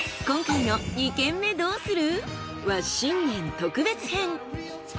今回の「二軒目どうする？」は新年特別編。